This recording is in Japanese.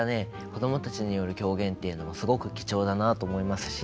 子供たちによる狂言というのもすごく貴重だなと思いますし。